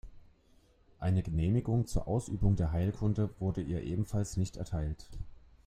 Eine Genehmigung zur Ausübung der Heilkunde wurde ihr ebenfalls nicht erteilt.